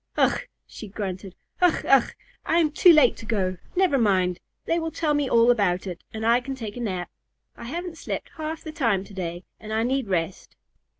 "Ugh!" she grunted. "Ugh! Ugh! I am too late to go. Never mind! They will tell me all about it, and I can take a nap. I haven't slept half the time to day, and I need rest."